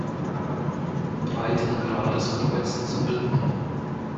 Breitengrades kreuzen sollten.